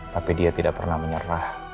tapi dia tidak pernah menyerah